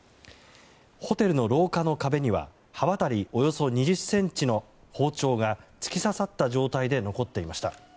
ホテルの廊下の壁には刃渡りおよそ２０ｃｍの包丁が突き刺さった状態で残っていました。